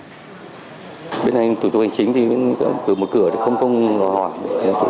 khi đến đây thì các đồng chí một cửa cũng không có yêu cầu xảy ra những cư trú